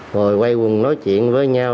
rồi quay quần nói chuyện với nhau